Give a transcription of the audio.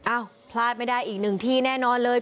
พลาดไม่ได้อีกหนึ่งที่แน่นอนเลย